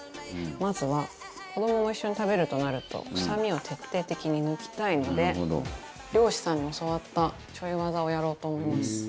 まずは子どもも一緒に食べるとなると臭みを徹底的に抜きたいので漁師さんに教わったちょい技をやろうと思います。